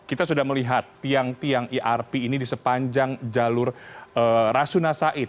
kita sudah melihat tiang tiang irp ini di sepanjang jalur rasuna said